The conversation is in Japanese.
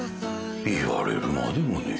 言われるまでもねえ。